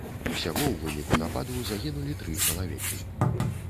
Усяго ў выніку нападу загінулі тры чалавекі.